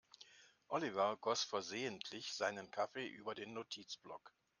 Oliver goss versehentlich seinen Kaffee über den Notizblock.